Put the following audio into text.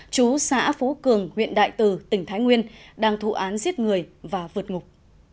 chú xã phú cường huyện đại từ tỉnh thái nguyên đang thụ án giết người và vượt ngục